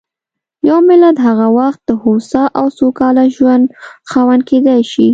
یو ملت هغه وخت د هوسا او سوکاله ژوند خاوند کېدای شي.